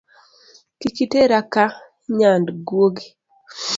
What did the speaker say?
Kik itera ka nyand guogi